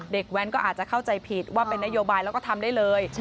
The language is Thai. แว้นก็อาจจะเข้าใจผิดว่าเป็นนโยบายแล้วก็ทำได้เลย